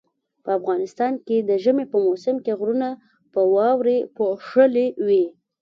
په افغانستان کې د ژمي په موسم کې غرونه په واوري پوښلي وي